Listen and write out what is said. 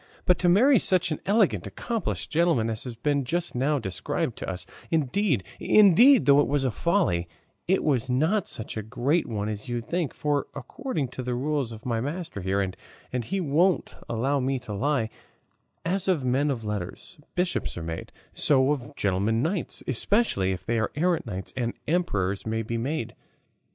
But to marry such an elegant accomplished gentleman as has been just now described to us indeed, indeed, though it was a folly, it was not such a great one as you think; for according to the rules of my master here and he won't allow me to lie as of men of letters bishops are made, so of gentlemen knights, specially if they be errant, kings and emperors may be made."